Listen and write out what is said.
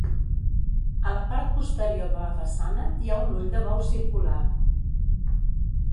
A la part posterior de la façana hi ha un ull de bou circular.